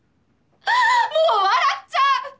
もう笑っちゃう。